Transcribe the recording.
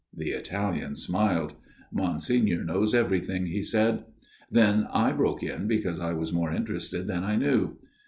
The Italian smiled. " Monsignor knows everything," he said. Then I broke in, because I was more interested than I knew.